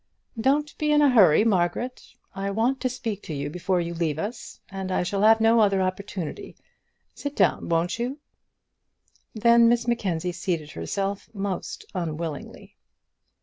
"Don't be in a hurry, Margaret. I want to speak to you before you leave us, and I shall have no other opportunity. Sit down, won't you?" Then Miss Mackenzie seated herself, most unwillingly.